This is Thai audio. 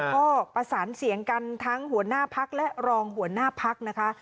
ก็ประสานเสียงกันทั้งหัวหน้าพักและรองหัวหน้าพักนะคะ